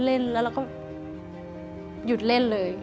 เล่นแล้วเราก็หยุดเล่นเลย